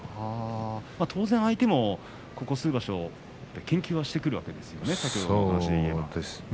当然、相手もここ数場所研究してくるわけですよね。